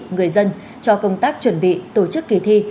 người dân cho công tác chuẩn bị tổ chức kỳ thi